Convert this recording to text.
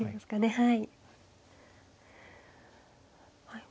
はい。